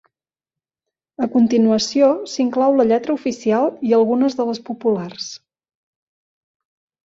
A continuació s'inclou la lletra oficial i algunes de les populars.